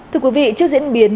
thưa quý vị trước diễn biến